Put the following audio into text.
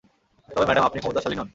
তবে, ম্যাডাম, আপনি ক্ষমতাশালী নন।